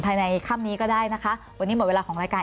ในค่ำนี้ก็ได้นะคะวันนี้หมดเวลาของรายการ